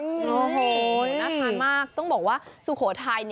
โอ้โหน่าทานมากต้องบอกว่าสุโขทัย